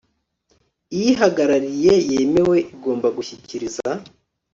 iyihagarariye yemewe igomba gushyikiriza